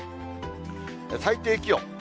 最低気温。